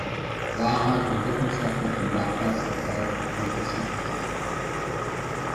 Wahrheit und wissenschaftliche Nachweisbarkeit sind unterschiedliche Dinge.